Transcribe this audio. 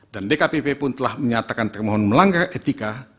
dan dkpp pun telah menyatakan termohon melanggar etika